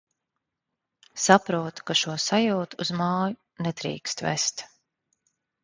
Saprotu, ka šo sajūtu uz māju nedrīkst vest...